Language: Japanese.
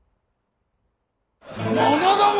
者ども！